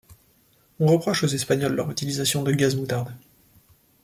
On reproche aux Espagnols leur utilisation de gaz moutarde.